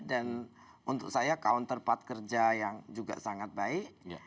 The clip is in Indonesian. dan untuk saya counter part kerja yang juga sangat baik